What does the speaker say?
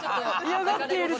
嫌がってる。